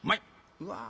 うわ。